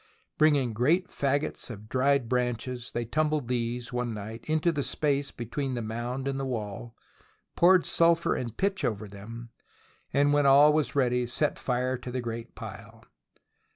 Bringing great fagots of dried branches, they tumbled these, one night, into the space between the mound and the wall, poured sulphur and pitch over them, and when all was ready, set fire to the great pile.